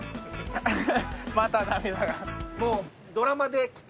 ・また涙が。